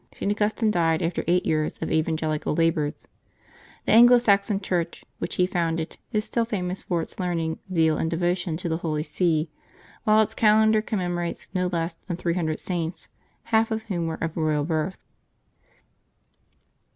St. Augustine died after eight years of evangelical labors. The Anglo Saxon Church, which he founded, is still famous for its learning, zeal, and devotion to the Holy See, wliile its calendar com memorates no less than 300 Saints, half of whom were of royal birth.